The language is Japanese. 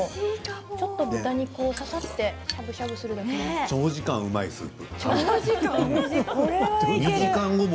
ちょっと豚肉を、ささってしゃぶしゃぶするだけでも。